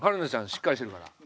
しっかりしてるから。